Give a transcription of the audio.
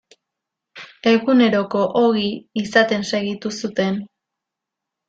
Eguneroko ogi izaten segitu zuten.